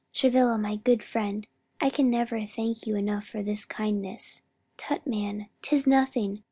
"Travilla, my good friend, I can never thank you enough for this kindness." "Tut, man! 'tis nothing!